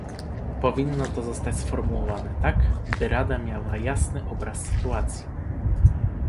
Powinno to zostać sformułowane tak, by Rada miała jasny obraz sytuacji